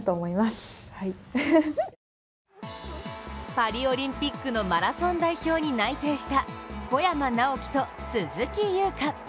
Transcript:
パリオリンピックのマラソン代表に内定した小山直城と鈴木優花。